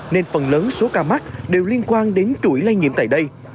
nên phần lớn số ca mắc đều liên quan đến chuỗi lây nhiễm tại đây